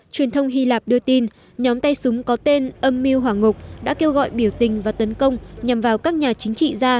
truyền thông hy lạp đưa tin nhóm tay súng có tên âm mưu hỏa ngục đã kêu gọi biểu tình và tấn công nhằm vào các nhà chính trị gia